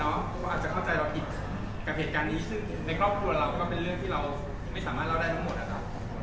เขาอาจจะเข้าใจเราผิดกับเหตุการณ์นี้ซึ่งในครอบครัวเราก็เป็นเรื่องที่เราไม่สามารถเล่าได้ทั้งหมดนะครับ